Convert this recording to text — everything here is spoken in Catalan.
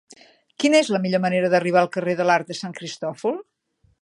Quina és la millor manera d'arribar al carrer de l'Arc de Sant Cristòfol?